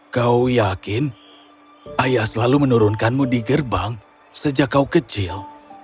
kau yakin ayah selalu menurunkanmu di gerbang sejak kau kecil